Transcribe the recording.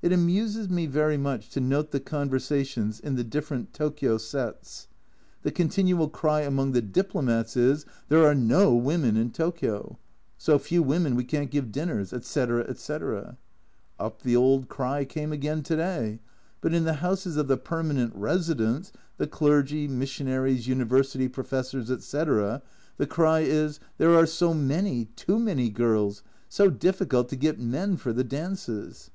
It amuses me very much to note the conversations in the different Tokio sets. The continual cry among 240 A Journal from Japan the diplomats is, "There are no women in Tokio !" "So few women, we can't give dinners," etc. etc. Up the old cry came again to day. But in the houses of the permanent residents, the clergy, missionaries, University professors, etc., the cry is, "There are so many, too many, girls, so difficult to get men for the dances."